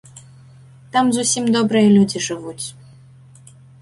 Там зусім добрыя людзі жывуць.